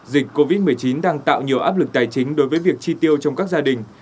dịch covid một mươi chín đang tạo nhiều áp lực tài chính đối với việc chi tiêu trong các gia đình